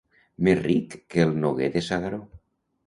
Més ric que el Noguer de S'Agaró.